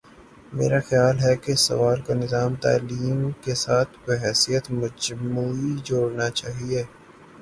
میرا خیال ہے کہ اس سوال کو نظام تعلیم کے ساتھ بحیثیت مجموعی جوڑنا چاہیے۔